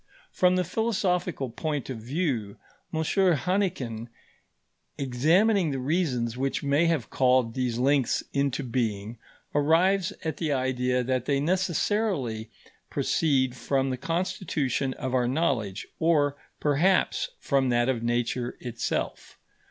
From the philosophical point of view, M. Hannequin, examining the reasons which may have called these links into being, arrives at the idea that they necessarily proceed from the constitution of our knowledge, or, perhaps, from that of Nature itself.